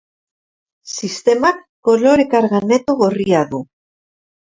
Sistemak kolore karga neto gorria du.